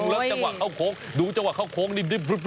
แล้วเจ้าหวัดเข้าโค้งดูเจ้าหวัดเข้าโค้งเนี่ย